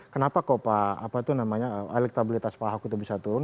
kenapa kok elektabilitas pak ahok itu bisa turun